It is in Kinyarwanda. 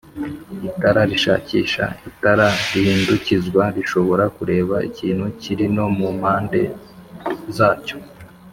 Itara rishakishaItara rihindukizwa rishobora kureba ikintu kiri no mu mpande zacyo